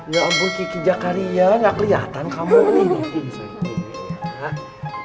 ya ampun kiki jakaria gak kelihatan kamu nih